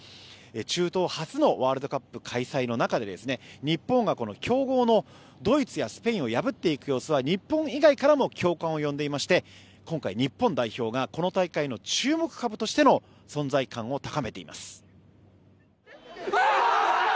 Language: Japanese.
中東初のワールドカップ開催の中で日本がこの強豪のドイツやスペインを破っていく様子は日本以外からも共感を呼んでいまして今回、日本代表がこの大会の注目株としての存在感を高めています。